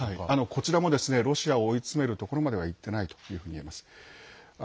こちらもロシアを追い詰めるところまではいってないというふうに言えます。